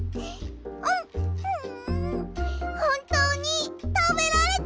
んほんとうにたべられた！